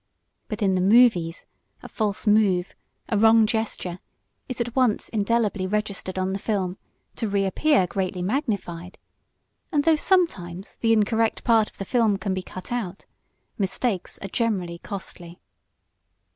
But in the movies a false move, a wrong gesture, is at once indelibly registered on the film, to reappear greatly magnified. And though sometimes the incorrect part of the film can be cut out, mistakes are generally costly.